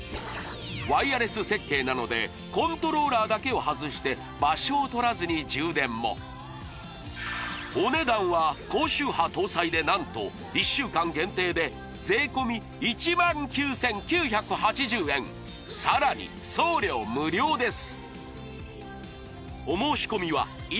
ワイヤレス設計なのでコントローラーだけを外して場所をとらずに充電もお値段は高周波搭載で何と１週間限定で税込１万９９８０円さらに送料無料です